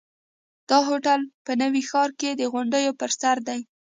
دا هوټل په نوي ښار کې د غونډیو پر سر دی.